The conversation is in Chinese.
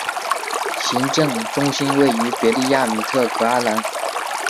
行政中心位于别利亚米特格阿兰。